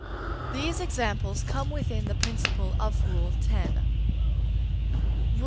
These examples come within the principle of Rule X. XII.